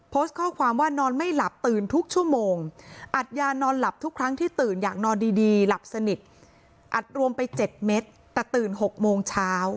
โพสต์ข้อความว่านอนไม่หลับตื่นทุกชั่วโมงอัดยานอนหลับทุกครั้งที่ตื่นอยากนอนดีหลับสนิทอัดรวมไป๗เม็ดแต่ตื่น๖โมงเช้า